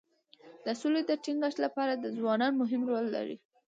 د سولې د ټینګښت لپاره ځوانان مهم رول لري.